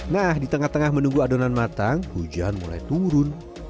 nah di tengah tengah menunggu adonan matang hujan mulai turun